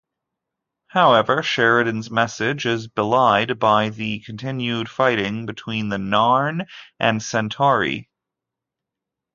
However, Sheridan's message is belied by the continued fighting between the Narn and Centauri.